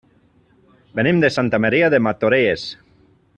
Venim de Santa Maria de Martorelles.